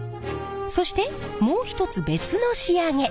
そしてもう一つ別の仕上げ。